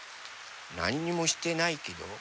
なんにもしてないけど。